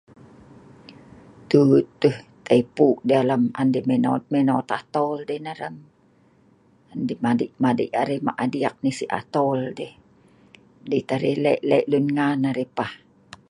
Tuuttie', tai puh' deh alam, an deh minot minot ataol deh nah rem. An deh madei' madei' arai mah' adik nai si ataol deh, dei' tah' arai leh' leh' leun ngan arai pah.